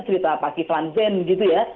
cerita pak kiflan zen gitu ya